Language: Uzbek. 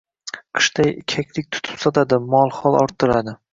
qishda kaklik tutib sotadi, mol-hol orttiradi.